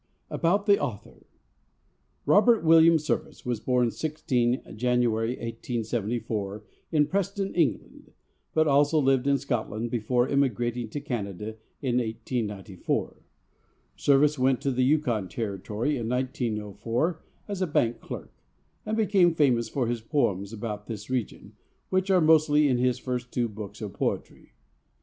About the Author Robert William Service was born 16 January 1874 in Preston, England, but also lived in Scotland before emigrating to Canada in 1894. Service went to the Yukon Territory in 1904 as a bank clerk, and became famous for his poems about this region, which are mostly in his first two books of poetry.